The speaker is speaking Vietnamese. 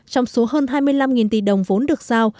trong số hơn hai mươi năm tỷ đồng vốn được giao